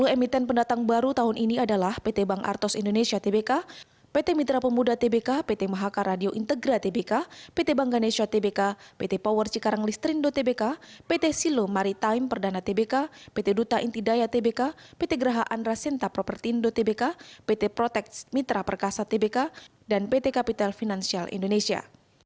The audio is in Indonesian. sepuluh emiten pendatang baru tahun ini adalah pt bank artos indonesia tbk pt mitra pemuda tbk pt mahaka radio integra tbk pt bank ganesha tbk pt power cikarang listrin do tbk pt silo maritime perdana tbk pt duta intidaya tbk pt geraha andrasenta propertin do tbk pt protect mitra perkasa tbk dan pt kapital finansial indonesia